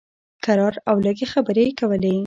کرار او لږې خبرې یې کولې.